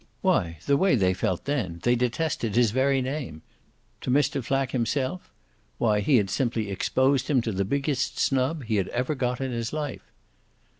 Why the way they felt then, they detested his very name. To Mr. Flack himself? Why he had simply exposed him to the biggest snub he had ever got in his life.